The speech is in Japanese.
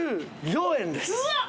うわっ！